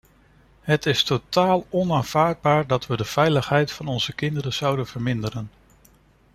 Het is totaal onaanvaardbaar dat we de veiligheid van onze kinderen zouden verminderen.